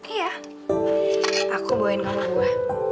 iya aku bawain kamu buah